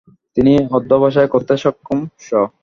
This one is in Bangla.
তিনি অধ্যবসায় করতে সক্ষম ষ।